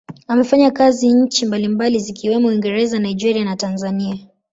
Amefanya kazi nchi mbalimbali zikiwemo Uingereza, Nigeria na Tanzania.